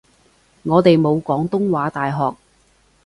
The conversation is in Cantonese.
我哋冇廣東話大學